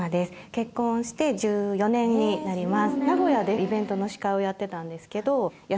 結婚して１４年になります